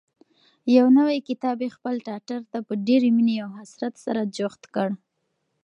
یو نوی کتاب یې خپل ټټر ته په ډېرې مینې او حسرت جوخت کړ.